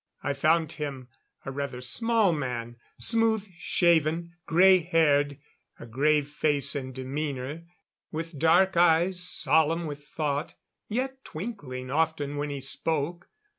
I found him a rather small man; smooth shaven; grey haired; a grave face and demeanor, with dark eyes solemn with thought, yet twinkling often when he spoke.